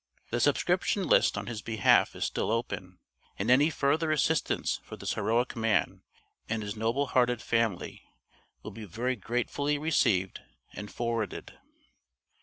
The subscription list on his behalf is still open, and any further assistance for this heroic man and his noble hearted family will be very gratefully received and forwarded.